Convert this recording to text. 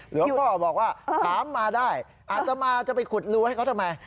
หลวงพ่อบอกว่าถามมาได้อาตมาจะไปขุดรูให้เขาทำไม